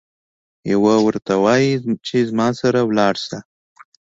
یو ورته وایي چې زما سره لاړشه.